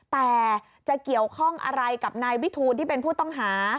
แต่จะเกี่ยวข้องอะไรกับนายวิทูลที่เป็นผู้ต้องหา